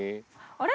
あれ？